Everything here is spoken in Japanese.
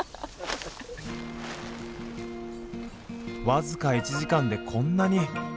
僅か１時間でこんなに。